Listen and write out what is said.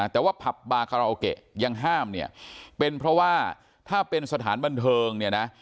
แต่ว่าผับบาคาราโอเกะยังห้ามเนี่ยเป็นเพราะว่าถ้าเป็นสถานบันเทิงเนี่ยนะ